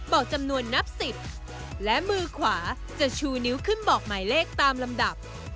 บอกจำนวนนับสิบและมือขวาจะชูนิ้วขึ้นบอกหมายเลขตามลำดับ